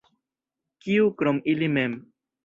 Kiu, krom ili mem?